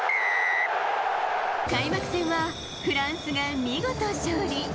開幕戦はフランスが見事勝利。